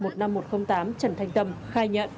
trần thanh tâm khai nhận